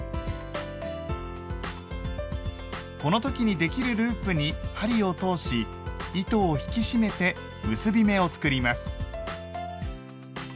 この時にできるループに針を通し糸を引き締めて結び目を作ります。